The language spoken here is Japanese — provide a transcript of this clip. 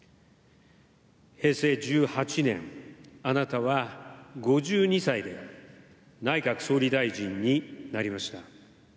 平成１８年、あなたは５２歳で内閣総理大臣になりました。